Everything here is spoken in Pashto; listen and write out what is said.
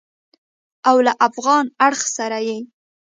او له افغان اړخ سره یې